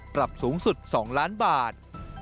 ปรับสูงสุด๒ล้านบาท